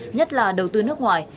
nhất là đầu tư nước ngoài